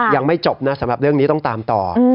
ยังไม่จบนะสำหรับเรื่องนี้ต้องตามต่อ